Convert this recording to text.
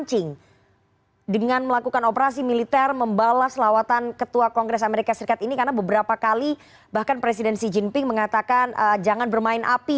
apakah kemudian menurut analisa anda tiongkok akan terpancing dengan melakukan operasi militer membalas lawatan ketua kongres amerika serikat ini karena beberapa kali bahkan presiden xi jinping mengatakan jangan bermain api